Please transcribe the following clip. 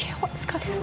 ketelahuan sekali kamu